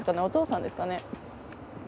お父さんですかね。